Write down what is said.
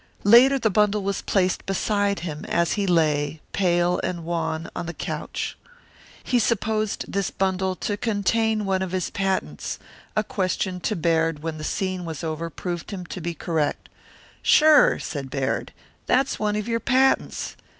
Later the bundle was placed beside him as he lay, pale and wan, on the couch. He supposed this bundle to contain one of his patents; a question to Baird when the scene was over proved him to be correct. "Sure," said Baird, "that's one of your patents."